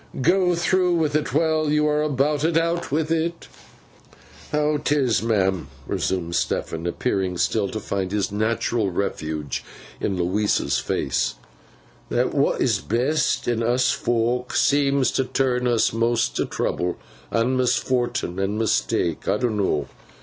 Go through with it while you are about it. Out with it.' 'How 'tis, ma'am,' resumed Stephen, appearing still to find his natural refuge in Louisa's face, 'that what is best in us fok, seems to turn us most to trouble an' misfort'n an' mistake, I dunno.